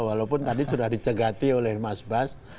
walaupun tadi sudah dicegati oleh mas bas